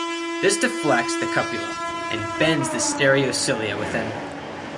This deflects the cupula and bends the stereocilia within.